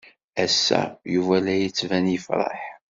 Ass-a Yuba la d-yettban yefṛeḥ.